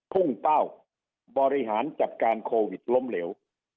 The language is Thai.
พุ่งเป้าบริหารจัดการโควิดล้มเหลว